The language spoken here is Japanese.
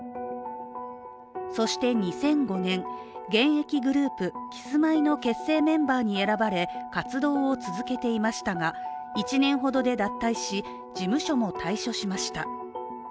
そして２００５年、現役グループ、キスマイの結成メンバーに選ばれ、活動を続けていましたが、１年ほどで脱退し、事務所も退所しました。